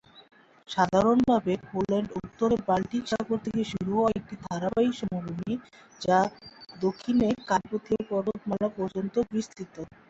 সাধারণভাবে পোল্যান্ড উত্তরে বাল্টিক সাগর থেকে শুরু হওয়া একটি ধারাবাহিক সমভূমি যা দক্ষিণে কার্পেথীয় পর্বতমালা পর্যন্ত বিস্তৃত।